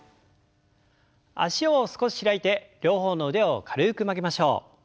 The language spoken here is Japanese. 脚を少し開いて両方の腕を軽く曲げましょう。